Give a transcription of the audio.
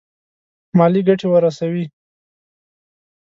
مالي ګټي ورسوي.